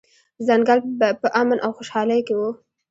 ځنګل په امن او خوشحالۍ کې و.